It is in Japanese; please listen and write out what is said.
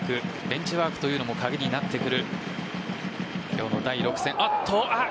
ベンチワークというのも鍵になってくる今日の第６戦。